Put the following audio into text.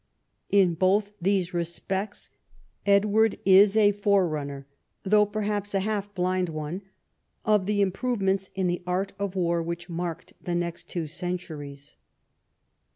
In both these respects Edward is a forerunner, though perhaps a half blind one, of the improvements in the art of war which marked the next two centuries.